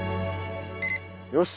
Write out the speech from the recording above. よし。